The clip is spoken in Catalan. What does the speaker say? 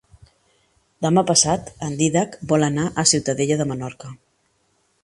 Demà passat en Dídac vol anar a Ciutadella de Menorca.